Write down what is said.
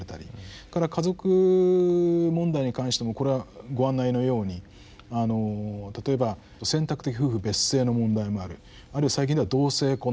それから家族問題に関してもこれはご案内のように例えば選択的夫婦別姓の問題もあるあるいは最近では同性婚の問題